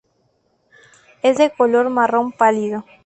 Es de color marrón pálido.